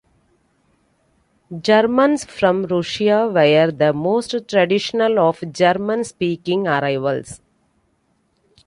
Germans from Russia were the most traditional of German-speaking arrivals.